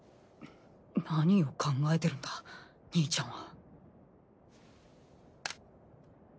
何を考えてるんだ兄ちゃんは。